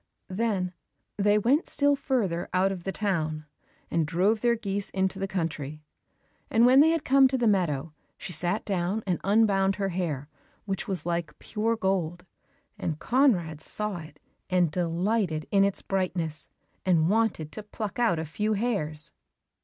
Then they went still further out of the town, and drove their geese into the country. And when they had come to the meadow, she sat down and unbound her hair which was like pure gold, and Conrad saw it and delighted in its brightness, and wanted to pluck out a few hairs.